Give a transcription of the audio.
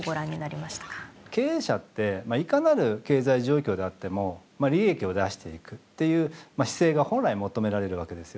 経営者っていかなる経済状況であっても利益を出していくっていう姿勢が本来求められるわけですよね。